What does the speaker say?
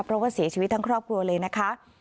เพราะว่าเสียชีวิตทั้งครอบครัวเลยนะคะ